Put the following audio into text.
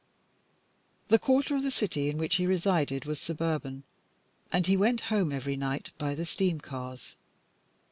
The quarter of the city in which he resided was suburban, and he went home every night by the steam cars.